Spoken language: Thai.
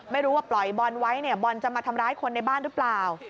ไม่รู้ว่าปล่อยบอลไว้เนี่ยบอลจะมาทำร้ายคนในบ้านหรือเปล่า